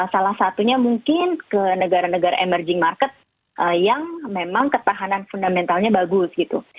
salah satunya mungkin ke negara negara emerging market yang memang ketahanan fundamentalnya bagus gitu